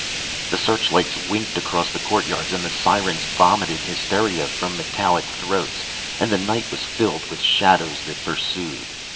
The searchlights winked across the courtyards and the sirens vomited hysteria from metallic throats and the night was filled with shadows that pursued.